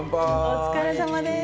お疲れさまです。